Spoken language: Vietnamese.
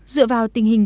dựa vào tình hình